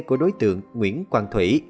của đối tượng nguyễn quang thủy